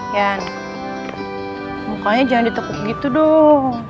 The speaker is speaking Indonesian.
yan mukanya jangan ditekuk gitu dong